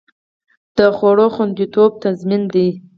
د خوړو خوندیتوب تضمین دی؟